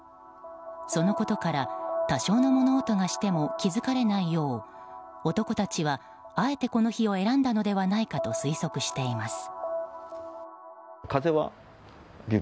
そのことから多少の物音がしても気づかれないよう男たちは、あえてこの日を選んだのではないかと推測しています。